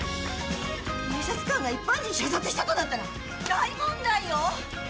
警察官が一般人を射殺したことになったら大問題よ！